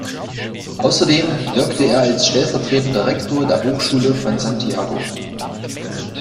Außerdem wirkte er als stellvertretender Rektor der Hochschule von Santiago.